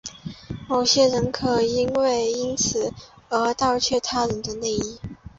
某些人可能会因此而窃盗他人的内衣。